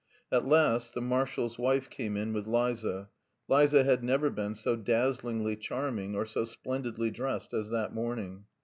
At last the marshal's wife came in with Liza. Liza had never been so dazzlingly charming or so splendidly dressed as that morning.